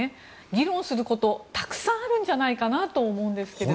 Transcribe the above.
議論することたくさんあるんじゃないかなと思うんですけど。